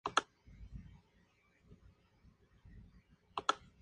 Normalmente, la mitad de las presas capturadas por el ave consisten en pequeños mamíferos.